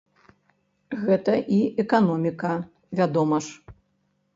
Гэта і эканоміка, вядома ж!